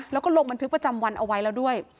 แล้วก็ลงบันทึกประจำวันเอาไว้แล้วด้วย